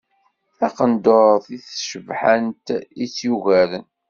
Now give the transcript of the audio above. Taqendur-is tacebḥant i tt-yugaren.